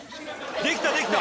できたできた！